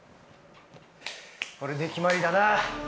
これで決まりだな